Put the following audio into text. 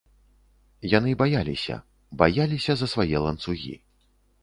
Яны баяліся, баяліся за свае ланцугі.